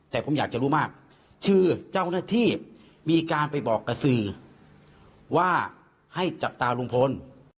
แต่ผมอยากจะรู้มากชื่อเจ้าหน้าที่มีการไปบอกกับสื่อว่าให้จับตาลุงพล